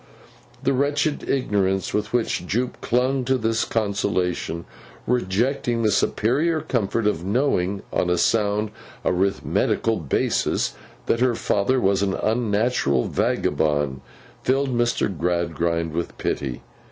The wretched ignorance with which Jupe clung to this consolation, rejecting the superior comfort of knowing, on a sound arithmetical basis, that her father was an unnatural vagabond, filled Mr. Gradgrind with pity.